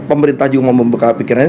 pemerintah juga mau membekak pikirannya